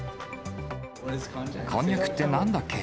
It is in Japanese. こんにゃくってなんだっけ？